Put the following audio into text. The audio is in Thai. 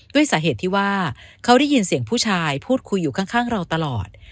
ด้วยสาเหตุที่ว่าเขาได้ยินเสียงผู้ชายพูดคุยอยู่ข้างเราตลอด